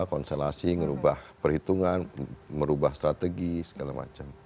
konstelasi merubah perhitungan merubah strategi segala macam